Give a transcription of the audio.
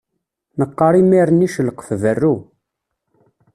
Neqqaṛ imir-nni celqef berru.